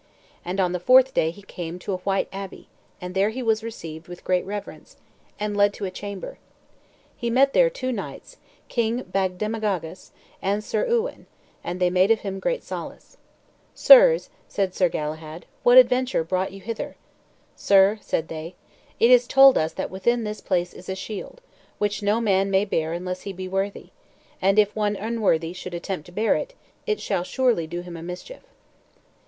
And on the fourth day he came to a white abbey; and there he was received with great reverence, and led to a chamber. He met there two knights, King Bagdemagus and Sir Uwaine, and they made of him great solace. "Sirs," said Sir Galahad, "what adventure brought you hither?" "Sir," said they, "it is told us that within this place is a shield, which no man may bear unless he be worthy; and if one unworthy should attempt to bear it, it shall surely do him a mischief."